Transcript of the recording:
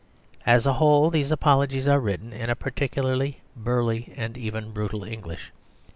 As a whole, these apologies are written in a particularly burly and even brutal English.